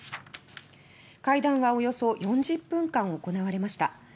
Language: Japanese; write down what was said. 会談はおよそ４０分間行われました。